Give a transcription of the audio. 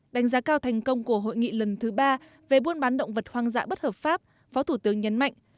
đánh giá cao thành công của hội nghị lần thứ ba về buôn bán động vật hoang dã bất hợp pháp phó thủ tướng nhấn mạnh